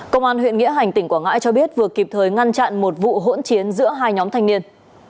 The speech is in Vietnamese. công an huyện nghĩa hành tỉnh quảng ngãi cho biết vừa kịp thời ngăn chặn một vụ hỗn chiến giữa hai nhóm thanh niên